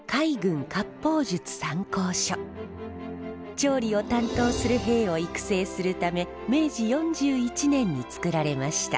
調理を担当する兵を育成するため明治４１年に作られました。